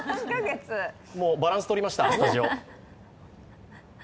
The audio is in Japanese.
バランスとりました、スタジオ。